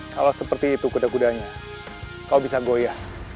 kalau seperti itu kuda kudanya kau bisa goyah